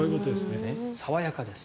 爽やかです。